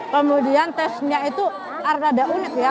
kemudian tesnya itu agak unik ya